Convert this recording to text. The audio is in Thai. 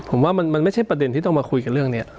ผมว่ามันไม่ใช่ประเด็นที่ต้องมาคุยกันเรื่องนี้